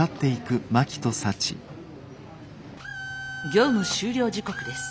業務終了時刻です。